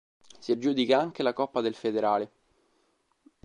Si aggiudica anche la Coppa del Federale.